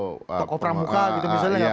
toko pramuka gitu misalnya